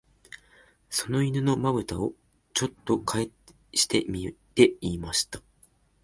その犬の眼ぶたを、ちょっとかえしてみて言いました